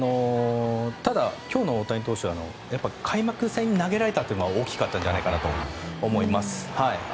ただ、今日の大谷投手は開幕戦に投げられたという点が大きかったと思います。